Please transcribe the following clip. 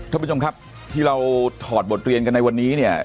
ท่านผู้ชมครับที่เราถอดบทเรียนกันในวันนี้เนี่ย